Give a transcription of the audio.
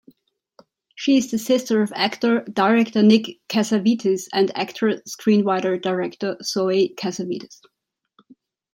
She is the sister of actor-director Nick Cassavetes and actor-screenwriter-director Zoe Cassavetes.